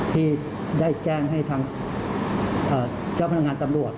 ที่ได้แจ้งให้ทางเจ้าพนักงานตำรวจ